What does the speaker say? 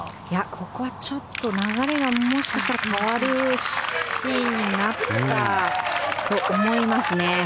ここはちょっと流れがもしかしたら変わるシーンになったかと思いますね。